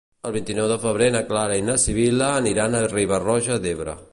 El vint-i-nou de febrer na Clara i na Sibil·la aniran a Riba-roja d'Ebre.